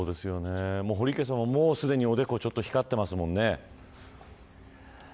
堀池さんももうすでにおでこが光っていますもんね。